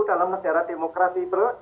dalam negara demokrasi itu